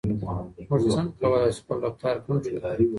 موږ څنګه کولای شو خپل رفتار کنټرول کړو؟